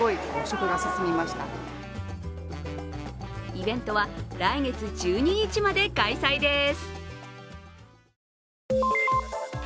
イベントは来月１２日まで開催です。